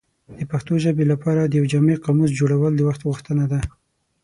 د پښتو ژبې لپاره د یو جامع قاموس جوړول د وخت غوښتنه ده.